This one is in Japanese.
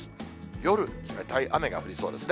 夜、冷たい雨が降りそうですね。